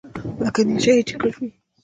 لکه نېشه چې يې کړې وي.